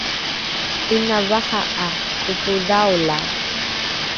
’ina vaha ’a topodhaolae